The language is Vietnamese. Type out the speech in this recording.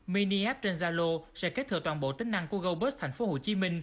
mini app trên zalo sẽ kết thừa toàn bộ tính năng của gobus tp hcm